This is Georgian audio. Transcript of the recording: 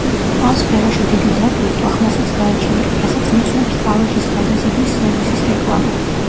ამ სფეროში დიდი დატვირთვა ხმასაც გააჩნია, რასაც მოწმობს ავეჯის გადაზიდვის სერვისის რეკლამა.